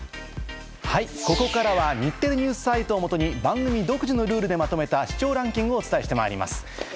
ここからは日テレＮＥＷＳサイトを元に番組独自のルールでまとめた視聴ランキングをお伝えしていきます。